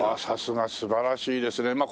さすが。素晴らしいですね。